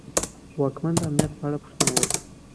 واکمن د امنیت په اړه پوښتنه وکړه.